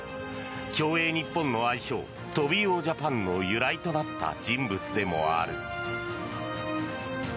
競泳日本の愛称トビウオジャパンの由来となった人物でもある。